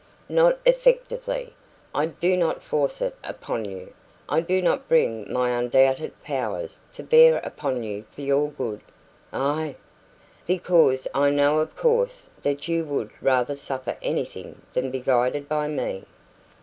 "Not effectively. I do not force it upon you. I do not bring my undoubted powers to bear upon you for your good " "Ah!" "Because I know, of course, that you would rather suffer anything than be guided by me."